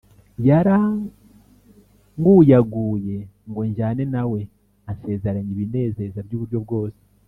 yaranguyaguye ngo njyane nawe, ansezeranya ibinezeza by’uburyo bwose